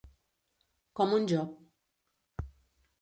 Com un Job.